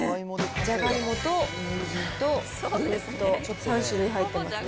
じゃがいもとにんじんと鶏肉と３種類入ってますね。